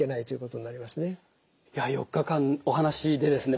４日間お話でですね